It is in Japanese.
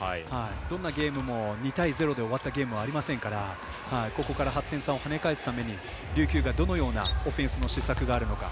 どんなゲームも、２対０で終わったゲームはありませんからここから８点差を跳ね返すために琉球がどのようなオフェンスの思索があるのか。